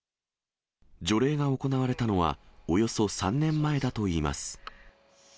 除霊が行われたのは、およそ３年前だといいます。